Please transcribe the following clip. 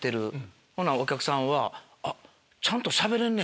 ほなお客さんは。